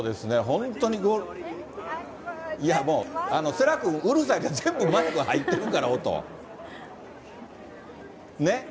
本当に、いやもう、せら君、うるさいから、全部マイク入ってるから、音。ね？